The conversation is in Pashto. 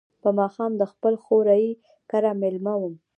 په ماښام د خپل خوریي کره مېلمه وم.